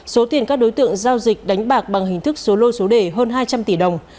số tiền các đối tượng giao dịch đánh bạc bằng hình thức số lô số đề hơn hai trăm linh tỷ đồng